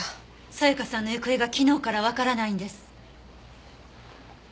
沙也加さんの行方が昨日からわからないんです。